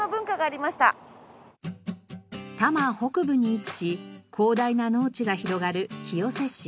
多摩北部に位置し広大な農地が広がる清瀬市。